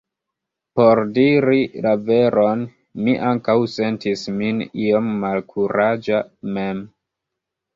Por diri la veron, mi ankaŭ sentis min iom malkuraĝa mem.